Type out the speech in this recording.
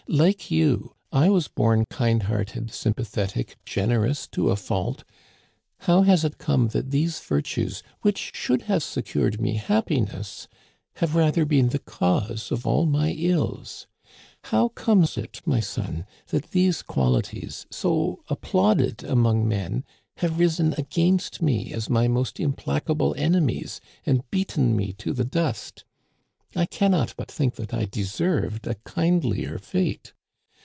Like you, I was born kind hearted, sympathetic, generous to a fault. How has it come that these virtues, which should have secured me happiness, have rather been the cause of all my ills ? How comes it, my son, that these qualities, so applauded among men, have risen against me as my most implacable enemies and beaten me to the dust ? I can not but think that I deserved a kindlier fate.